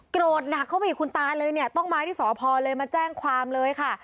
โกรธหนักเข้าไปอีกคุณตาเลยเนี่ยต้องมาที่สพเลยมาแจ้งความเลยค่ะ